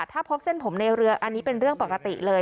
ถ้าพบเส้นผมในเรืออันนี้เป็นเรื่องปกติเลย